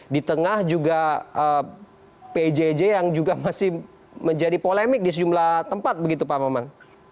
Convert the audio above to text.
di tengah juga pjj yang juga masih menjadi polemik di sejumlah tempat begitu pak maman